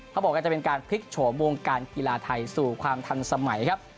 เขาบอกว่าจะเป็นการพลิกโฉมวงการกีฬาไทยสู่ความทันสมัยครับ